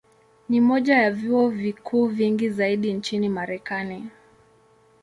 Ni moja ya vyuo vikuu vingi zaidi nchini Marekani.